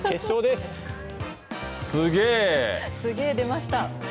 すげえ出ました。